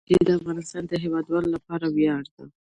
جلګه د افغانستان د هیوادوالو لپاره ویاړ دی.